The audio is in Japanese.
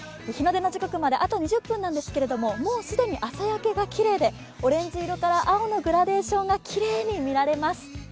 日の出の時刻まであと２０分なんですけれどももう既に朝焼けがきれいでオレンジ色から青のグラデーションがきれいに見られます。